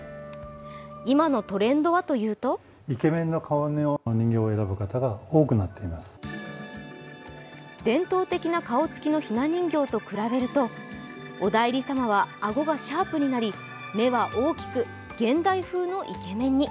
今のトレンドはというと伝統的な顔つきのひな人形と比べると、お内裏様はあごがシャープになり、目は大きく現代風のイケメンに。